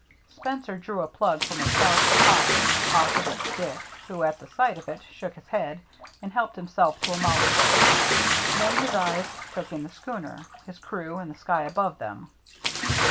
Spencer drew a plug from a trousers pocket, offered it to Dick, who at the sight of it shook his head, and helped himself to a mouthful. Then his eyes took in the schooner, her crew, and the sky above them.